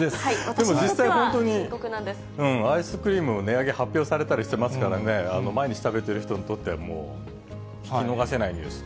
でも実際、本当にアイスクリーム、実際に値上げ発表されたりしてますからね、毎日食べたりしている人にとっては聞き逃せないです。